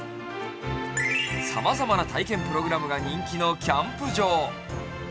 さまざまな体験プログラムが人気のキャンプ場。